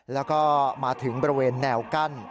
แล้วก็มาถึงบริเวณแนวกั้น